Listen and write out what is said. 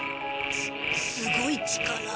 すすごい力。